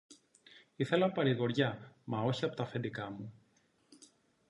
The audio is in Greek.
Ήθελα παρηγοριά, μα όχι από τ' αφεντικά μου